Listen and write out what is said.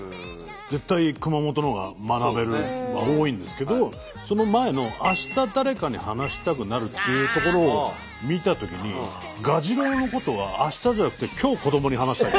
絶対熊本のほうが「学べる」は多いんですけどその前の「あした誰かに話したくなる」っていうところを見たときにガジロウのことは明日じゃなくて今日子どもに話したい。